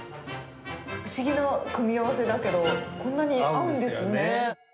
不思議な組み合わせだけど、合うんですよね。